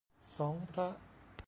สองพระ